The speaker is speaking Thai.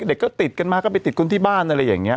เด็กก็ติดกันมาก็ไปติดคนที่บ้านอะไรอย่างนี้